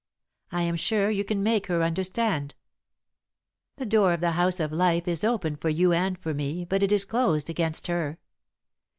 I am sure you can make her understand. "The door of the House of Life is open for you and for me, but it is closed against her.